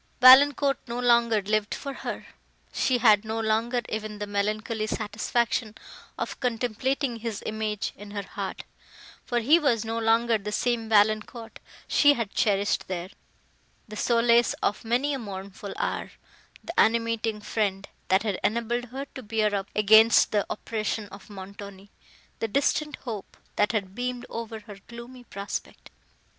—Valancourt no longer lived for her! She had no longer even the melancholy satisfaction of contemplating his image in her heart, for he was no longer the same Valancourt she had cherished there—the solace of many a mournful hour, the animating friend, that had enabled her to bear up against the oppression of Montoni—the distant hope, that had beamed over her gloomy prospect!